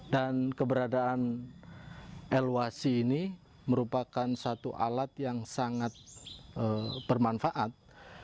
dan keberadaan eluasi ini merupakan satu alat yang sangat bermanfaat